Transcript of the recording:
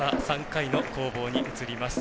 ３回の攻防に移ります。